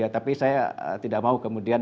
tapi saya tidak mau kemudian